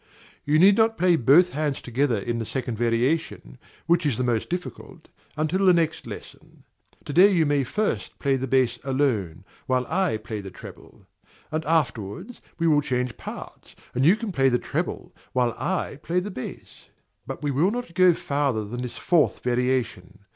You need not play both hands together in the second variation, which is the most difficult, until the next lesson. To day you may first play the bass alone, while I play the treble; and afterwards we will change parts, and you can play the treble while I play the bass. But we will not go farther than the fourth variation.